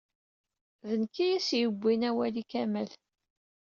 D nekk ay as-yebbin awal i Kamal.